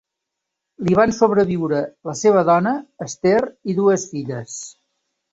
Li van sobreviure la seva dona, Esther, i dues filles.